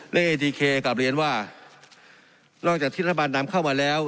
ในเอทีเคกลับเรียนว่านอกจากธิราบันนำเข้ามาแล้ว